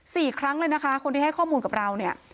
สี่ครั้งเลยนะคะคนที่ให้ข้อมูลกับเราเนี่ย